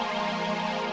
eh borok sikutan lo